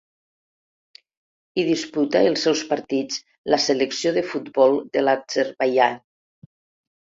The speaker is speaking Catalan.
Hi disputa els seus partits la selecció de futbol de l'Azerbaidjan.